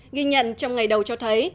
nghi nhận trong ngày đầu cho thấy